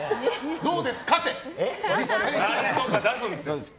どうですかって！